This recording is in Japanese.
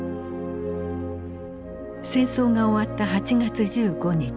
戦争が終わった８月１５日。